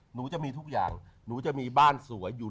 หนูจะมีทุกอย่างหนูจะมีบ้านสวยอยู่